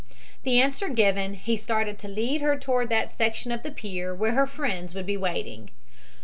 The answer given, he started to lead her toward that section of the pier where her friends would be waiting.